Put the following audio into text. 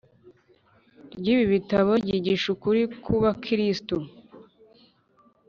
ry ibi bitabo Ryigisha ukuri kubakiristu